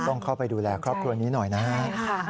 ต้องเข้าไปดูแลครอบครัวนี้หน่อยนะครับ